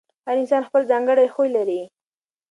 هر انسان خپل ځانګړی خوی لري.